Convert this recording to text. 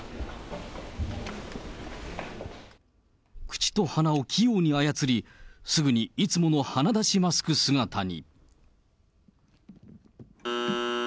口と鼻を器用に操り、すぐにいつもの鼻出しマスク姿に。